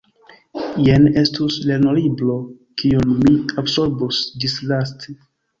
Jen estus lernolibro, kiun mi absorbus ĝislaste.